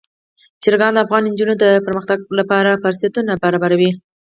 چرګان د افغان نجونو د پرمختګ لپاره فرصتونه برابروي.